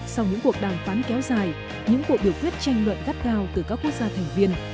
sau những cuộc đàm phán kéo dài những cuộc biểu quyết tranh luận gắt gao từ các quốc gia thành viên